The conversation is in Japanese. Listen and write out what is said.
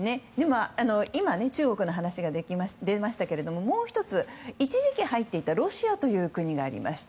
今、中国の話が出ましたけどもう１つ、一時期入っていたロシアという国がありました。